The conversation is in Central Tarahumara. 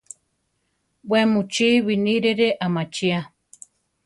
We mu chi binírire amachia.